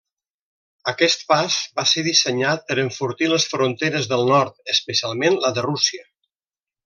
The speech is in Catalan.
Aquest pas va ser dissenyat per enfortir les fronteres del nord, especialment la de Rússia.